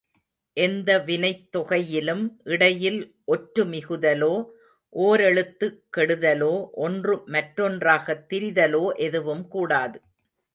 எந்த வினைத் தொகையிலும் இடையில் ஒற்று மிகுதலோ, ஓரெழுத்து கெடுதலோ, ஒன்று மற்றொன்றாகத் திரிதலோ எதுவும் கூடாது.